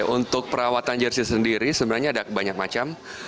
untuk perawatan jersi sendiri sebenarnya ada banyak macam